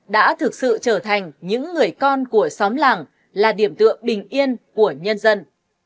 đã thực sự trở thành những người con của xóm làng là điểm tượng bình yên của nhân dân